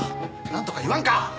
なんとか言わんか！